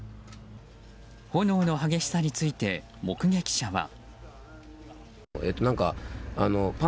炎の激しさについて、目撃者は。